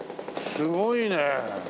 すごいね。